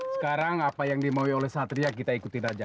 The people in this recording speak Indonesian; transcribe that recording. sekarang apa yang dimaui oleh satria kita ikutin aja